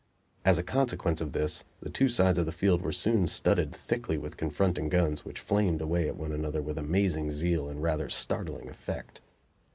As a consequence of this the two sides of the field were soon studded thickly with confronting guns, which flamed away at one another with amazing zeal and rather startling effect.